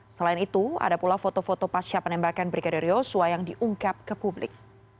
selain itu ada pula foto foto pasca penembakan brigadir yosua yang diungkap ke publik